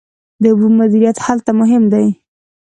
د اوبو مدیریت هلته مهم دی.